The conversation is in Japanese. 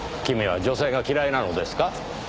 君は女性が嫌いなのですか？